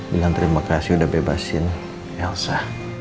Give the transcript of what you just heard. bilang terima kasih udah bebasin elsa